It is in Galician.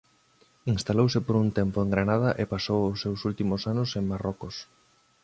Instalouse por un tempo en Granada e pasou os seus últimos anos en Marrocos.